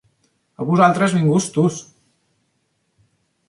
A vosaltres ningú us tus.